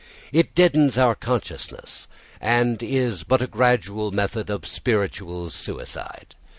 It deadens our consciousness, and is but a gradual method of spiritual suicide.